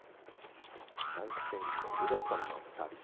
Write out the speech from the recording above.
男子選手のルベッソンのサービス。